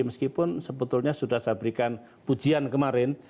meskipun sebetulnya sudah saya berikan pujian kemarin